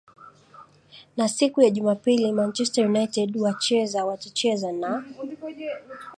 na siku ya jumapili manchester united wacheza watacheza na